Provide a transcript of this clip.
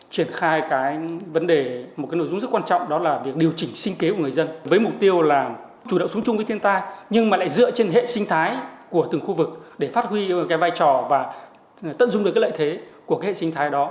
chúng ta đã từng bước triển khai một cái nội dung rất quan trọng đó là việc điều chỉnh sinh kế của người dân với mục tiêu là chủ động sống chung với thiên tai nhưng mà lại dựa trên hệ sinh thái của từng khu vực để phát huy cái vai trò và tận dung được cái lợi thế của cái hệ sinh thái đó